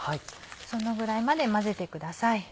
そのぐらいまで混ぜてください。